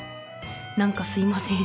何かすいません。